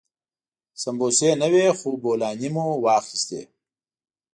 سمبوسې نه وې خو بولاني مو واخيستې.